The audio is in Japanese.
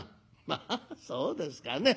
「まあそうですかね。